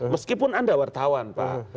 meskipun anda wartawan pak